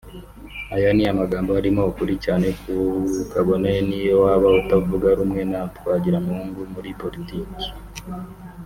Aya ni amagambo arimo ukuri cyane kabone niyo waba utavuga rumwe na Twagiramungu muri politike